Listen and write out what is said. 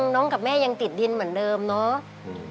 กับแม่ยังติดดินเหมือนเดิมเนาะ